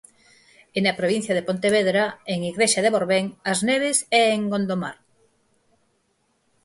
E na provincia de Pontevedra, en Igrexa de Borbén, As Neves e en Gondomar.